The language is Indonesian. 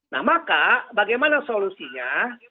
nah maka bagaimana solusinya